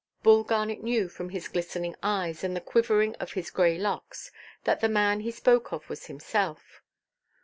Bull Garnet knew, from his glistening eyes, and the quivering of his grey locks, that the man he spoke of was himself.